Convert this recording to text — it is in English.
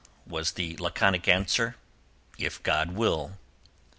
was the laconic answer—"If God will."